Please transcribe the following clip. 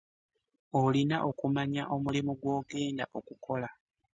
Olina okumanya omulimu gw'ogenda okukola.